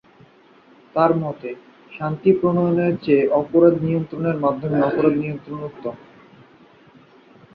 তার মতে, শাস্তি প্রণয়নের চেয়ে অপরাধ নিয়ন্ত্রণের মাধ্যমে অপরাধ নিয়ন্ত্রণ উত্তম।